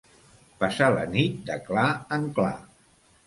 Passar la nit de clar en clar.